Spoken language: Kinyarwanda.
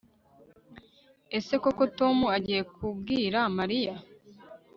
Ese koko Tom agiye kubwira Mariya